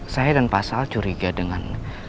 saya dan pasal curiga dengan